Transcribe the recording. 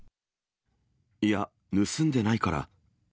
いや、盗んでないから。